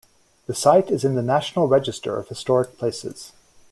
The site is in the National Register of Historic Places.